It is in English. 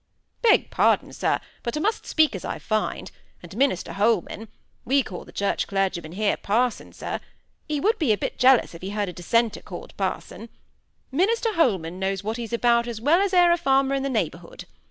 "Beg pardon, sir, but I must speak as I find; and Minister Holman—we call the Church clergyman here 'parson,' sir; he would be a bit jealous if he heard a Dissenter called parson—Minister Holman knows what he's about as well as e'er a farmer in the neighbourhood.